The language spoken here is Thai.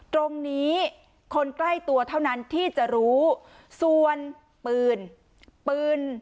ตรงนี้คนใกล้ตัวเท่านั้นที่จะรู้ส่วนปืนปืน